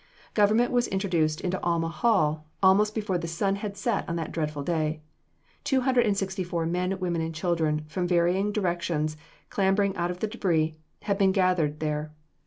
Government was introduced into Alma Hall almost before the sun had set on that dreadful day. Two hundred and sixty four men, women and children, from various directions clambering out of the debris, had been gathered there.